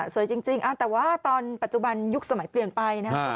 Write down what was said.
สวยจริงแต่ว่าตอนปัจจุบันยุคสมัยเปลี่ยนไปนะ